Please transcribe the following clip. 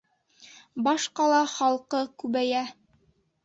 Баш ҡала халҡы күбәйә